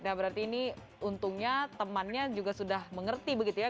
nah berarti ini untungnya temannya juga sudah mengerti begitu ya